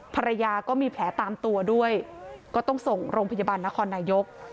ภรรยาก็มีแผลตามตัวด้วยก็ต้องส่งโรงพยาบาลนครนายก